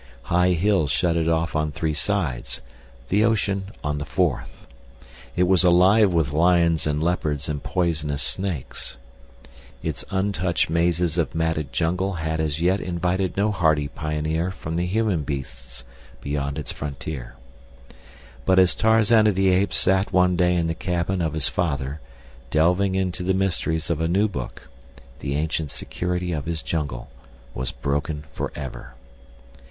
High hills shut it off on three sides, the ocean on the fourth. It was alive with lions and leopards and poisonous snakes. Its untouched mazes of matted jungle had as yet invited no hardy pioneer from the human beasts beyond its frontier. But as Tarzan of the Apes sat one day in the cabin of his father delving into the mysteries of a new book, the ancient security of his jungle was broken forever.